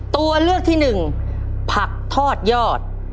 ตัวเลือกที่หนึ่งผักทอดยอด